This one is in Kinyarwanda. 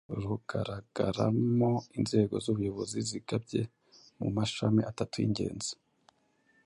rugaragaramo inzego z’ubuyobozi zigabye mu mashami atatu y’ingenzi